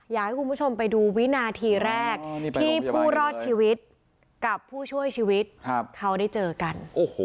อยากให้คุณผู้ชมไปดูวินาทีแรกที่ผู้รอดชีวิตกับผู้ช่วยชีวิตเขาได้เจอกัน